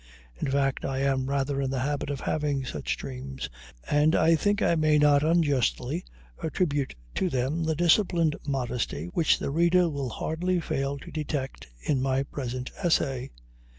In fact, I am rather in the habit of having such dreams, and I think I may not unjustly attribute to them the disciplined modesty which the reader will hardly fail to detect in the present essay.